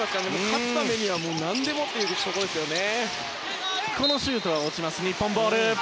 勝つためには何でもというところですね。